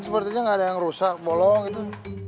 sepertinya nggak ada yang rusak bolong gitu